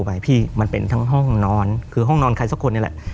ไปพี่มันเป็นทั้งห้องนอนคือห้องนอนใครสักคนนี่แหละ